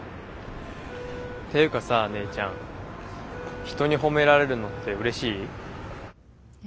っていうかさ姉ちゃん人に褒められるのってうれしい？え？